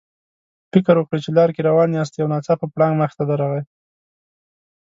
فکر وکړئ چې لار کې روان یاستئ او ناڅاپه پړانګ مخې ته درغی.